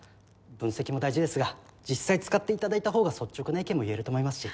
分析も大事ですが実際使っていただいたほうが率直な意見も言えると思いますし。